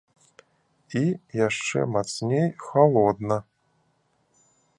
І яшчэ мацней халодна.